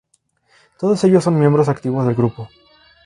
Todos ellos son miembros activos del grupo.